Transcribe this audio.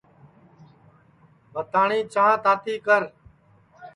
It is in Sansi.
بھتاٹؔی چھانٚھ تاتی کر